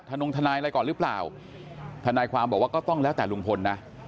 นงทนายอะไรก่อนหรือเปล่าทนายความบอกว่าก็ต้องแล้วแต่ลุงพลนะ